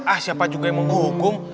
ah siapa juga yang menghukum